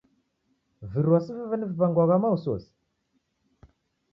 Virua si veveni viw'angwagha maosiyosi?